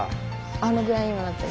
あのぐらいにはなってる？